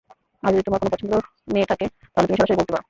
আর যদি তোমার কোন পছন্দ মেয়ে থাকে, তাহলে তুমি সরাসরি বলতে পারো।